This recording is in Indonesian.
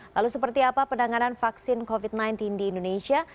lalu seperti apa penanganan vaksin covid sembilan belas di indonesia